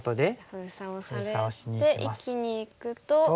封鎖をされて生きにいくと。